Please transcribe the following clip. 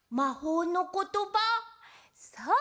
そう！